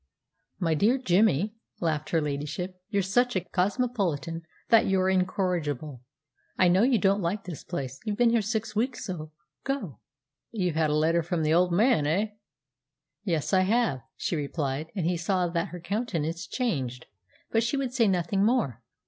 "My dear Jimmy," laughed her ladyship, "you're such a cosmopolitan that you're incorrigible. I know you don't like this place. You've been here six weeks, so go." "You've had a letter from the old man, eh?" "Yes, I have," she replied, and he saw that her countenance changed; but she would say nothing more.